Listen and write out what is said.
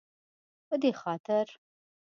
په دې خاطر